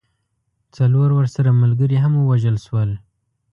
څلور ورسره ملګري هم ووژل سول.